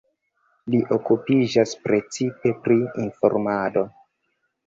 Li okupiĝas precipe pri informado.